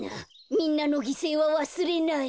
みんなのぎせいはわすれない。